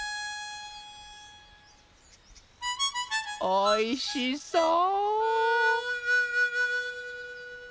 おいしそう！